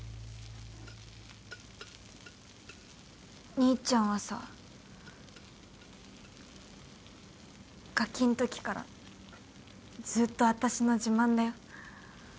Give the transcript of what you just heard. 兄ちゃんはさ。がきんときからずっと私の自慢だよ。